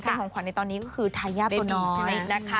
เป็นของขวัญในตอนนี้ก็คือทายาทตัวน้อยนะคะ